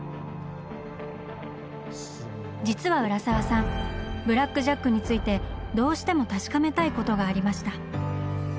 実は浦沢さん「ブラック・ジャック」についてどうしても確かめたいことがありました。